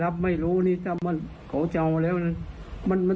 เรายังไม่รู้มันจะมีสัญญาณอะไรมาเตือนไหมคะ